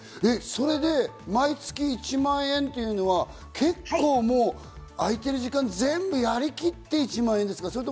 それで毎月１万円というのは空いている時間、全部やりきって１万円ですか？